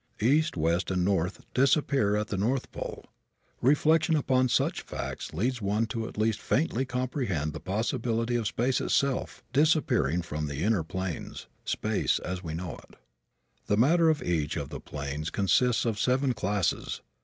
East, west and north disappear at the north pole. Reflection upon such facts leads one to at least faintly comprehend the possibility of space itself disappearing from the inner planes space as we know it. The matter of each of the planes consists of seven classes.